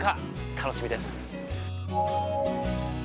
楽しみです。